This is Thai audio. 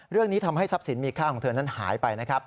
เรื่องนี้ทำให้ทรัพย์สินมีค่าของเธอนั้นหายไปนะครับ